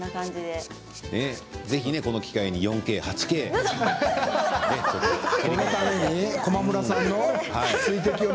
ぜひこの機会に４Ｋ、８Ｋを。